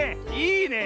いいね。